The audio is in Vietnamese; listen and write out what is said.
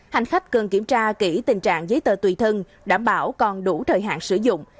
hành khách cần kiểm tra kỹ tình trạng giấy tờ tùy thân đảm bảo còn đủ thời hạn sử dụng